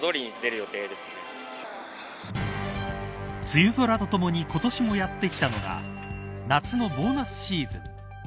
梅雨空とともに今年もやってきたのが夏のボーナスシーズン。